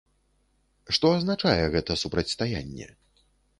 Што азначае гэта супрацьстаянне?